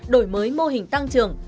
đổi mới mô hình tăng trường